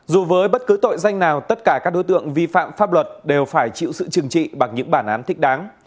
dù với bất cứ tội danh nào tất cả các đối tượng vi phạm pháp luật đều phải chịu sự trừng trị bằng những bản án thích đáng